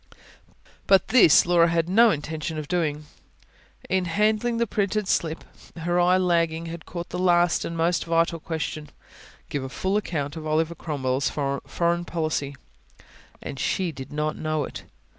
But this Laura had no intention of doing. In handling the printed slip, her lagging eye had caught the last and most vital question: "Give a full account of Oliver Cromwell's Foreign Policy." And she did not know it!